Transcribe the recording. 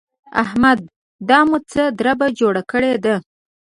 احمده! دا مو څه دربه جوړه کړې ده؟!